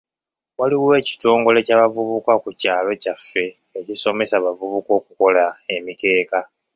Waliwo ekitongole ky'abavubuka ku kyalo kyaffe ekisomesa abavubuka okukola emikeeka .